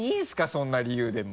そんな理由でも。